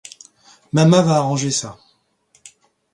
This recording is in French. Mama va arranger ça.